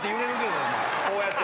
こうやって。